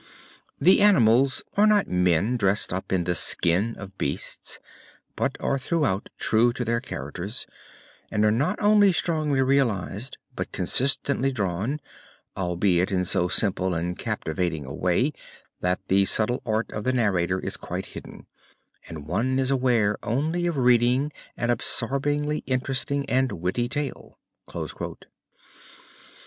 The animals are not men dressed up in the skin of beasts, but are throughout true to their characters, and are not only strongly realized but consistently drawn, albeit in so simple and captivating a way that the subtle art of the narrator is quite hidden, and one is aware only of reading an absorbingly interesting and witty tale."